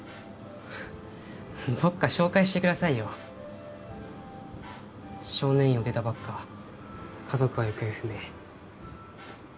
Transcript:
どっか紹介してくださいよ少年院を出たばっか家族は行方不明